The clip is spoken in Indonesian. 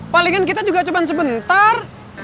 palingan kita juga coba sebentar